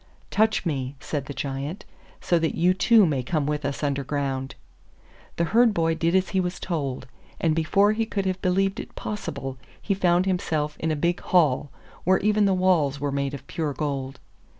'Touch me,' said the Giant, 'so that you too may come with us under ground.' The Herd boy did as he was told, and before he could have believed it possible he found himself in a big hall, where even the walls were made of pure gold.